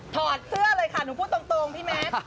ถอดเสื้อเลยค่ะหนูพูดตรงพี่แมท